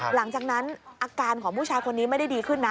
หลังจากนั้นอาการของผู้ชายคนนี้ไม่ได้ดีขึ้นนะ